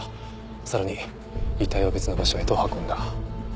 さらに遺体を別の場所へと運んだ。